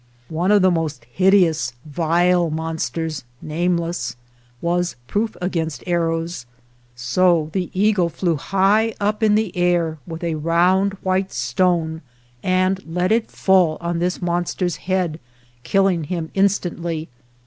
One of the most hideous, vile monsters (nameless) was proof against arrows, so the eagle flew high up in the air with a round, white 4 ORIGIN OF THE APACHE stone, and let it fall on this monster's head, killing him instantly.